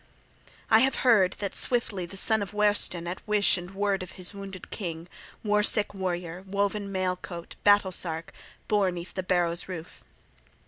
XXXVI I HAVE heard that swiftly the son of Weohstan at wish and word of his wounded king, war sick warrior, woven mail coat, battle sark, bore 'neath the barrow's roof.